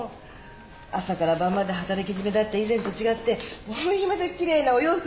朝から晩まで働きづめだった以前と違ってもう今じゃ奇麗なお洋服も着れますし。